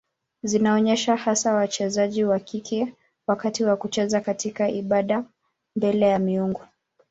Zinaonyesha hasa wachezaji wa kike wakati wa kucheza katika ibada mbele ya miungu.